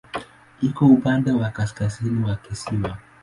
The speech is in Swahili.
Iko upande wa kaskazini wa kisiwa.